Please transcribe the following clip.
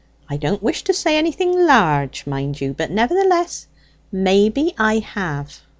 I don't wish to say anything large, mind you; but nevertheless, maybe I have."